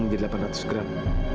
menjadi delapan ratus gram